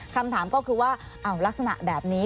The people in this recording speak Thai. คำถามก็คือว่าลักษณะแบบนี้